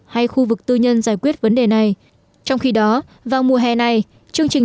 hay khu vực tư nhân giải quyết vấn đề này trong khi đó vào mùa hè này chương trình